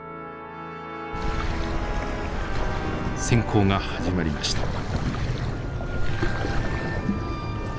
潜航が始まりました。